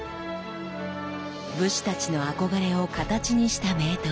武士たちの憧れを形にした名刀。